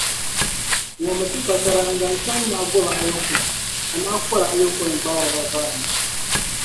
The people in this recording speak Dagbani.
Wuhimi ti fasara nzaŋ chaŋ naigoba ayɔpoin, ka naɣikɔri ayɔpoin gbaari ba vaanda.